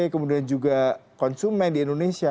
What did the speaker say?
kemudian juga konsumen di indonesia